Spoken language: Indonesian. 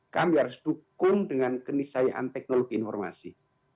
kami harus dukung dengan kenisayaan teknologi informasi